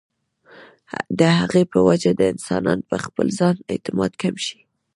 د هغې پۀ وجه د انسان پۀ خپل ځان اعتماد کم شي